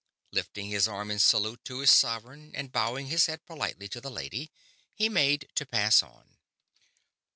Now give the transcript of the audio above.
Lifting his arm in salute to his sovereign and bowing his head politely to the lady, he made to pass on.